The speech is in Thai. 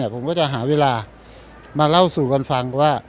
ผมก็จะหาเวลามาเล่าสู่กันฟังว่า